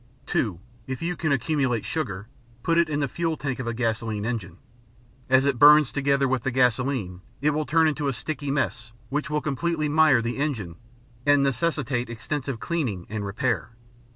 (2) If you can accumulate sugar, put it in the fuel tank of a gasoline engine. As it burns together with the gasoline, it will turn into a sticky mess which will completely mire the engine and necessitate extensive cleaning and repair.